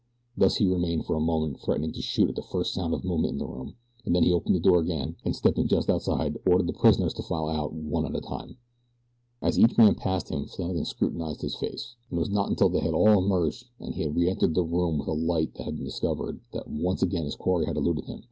Thus he remained for a moment threatening to shoot at the first sound of movement in the room, and then he opened the door again, and stepping just outside ordered the prisoners to file out one at a time. As each man passed him Flannagan scrutinized his face, and it was not until they had all emerged and he had reentered the room with a light that he discovered that once again his quarry had eluded him.